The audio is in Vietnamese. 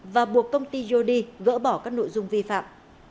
và buộc công ty yody gỡ bỏ các nội dung vi phạm